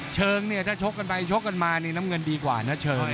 เชิงทะชกกันไปแน่น้ำเงินดีกว่านะเชิง